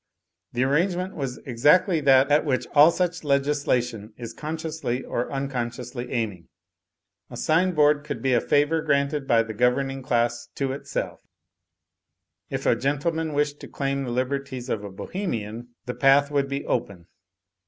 The arrangement was exactly that at which all such legislation is consciously or uncon sciously aiming. A sign board could be a favour granted by the governing class to itself. If a gentle man wished to claim the liberties of a Bohemian, the path would be open.